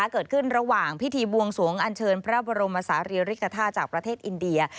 เกิดขึ้นระหว่างพิธีบวงสวงอันเชิญพระบรมศาลีริกฐาจากประเทศอินเดีย